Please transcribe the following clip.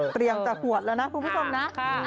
เตรียมจะขวดแล้วนะคุณผู้ชมนะ